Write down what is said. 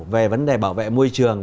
về vấn đề bảo vệ môi trường